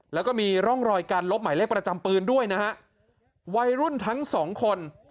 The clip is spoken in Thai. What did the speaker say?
แล้วก็มีร่องรอยการลบหมายเลขประจำปืนด้วยนะฮะวัยรุ่นทั้งสองคน